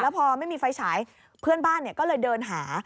พอไม่มีไฟฉายเพื่อนบ้านก็เลยเดินหา